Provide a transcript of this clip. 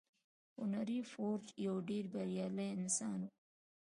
هنري فورډ يو ډېر بريالی انسان و.